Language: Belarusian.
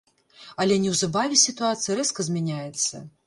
Але неўзабаве сітуацыя рэзка змяняецца.